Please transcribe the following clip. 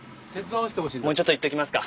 もうちょっといっときますか。